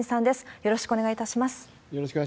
よろしくお願いします。